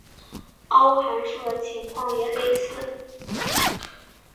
凹函数的情况也类似。